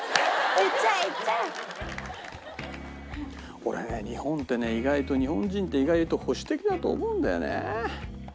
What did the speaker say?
俺ね日本ってね意外と日本人って意外と保守的だと思うんだよね。